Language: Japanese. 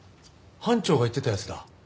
班長が言ってたやつだ。